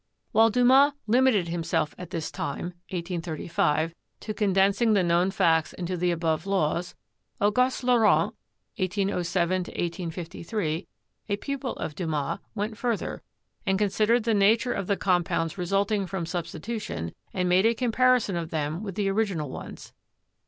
While Dumas limited himself at this time (1835) to condensing the known facts into the above laws, Auguste Laurent (1807 1853), a pupil of Dumas, went further, and considered the nature of the compounds resulting from substitution and made a comparison of them with the original ones.